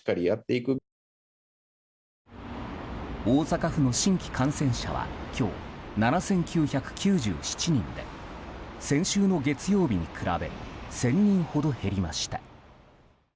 大阪府の新規感染者は今日、７９９７人で先週の月曜日に比べ１０００人ほど減りました。